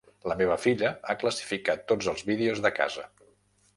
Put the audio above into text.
La meva filla ha classificat tots els vídeos de casa.